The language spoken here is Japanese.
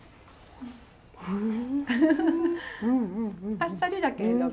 あっさりだけれども。